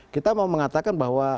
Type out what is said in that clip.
kita mau mengatakan bahwa